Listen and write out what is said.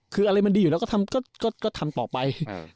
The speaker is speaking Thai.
คืออะไรมันดีอยู่แล้วก็ทำต่อไป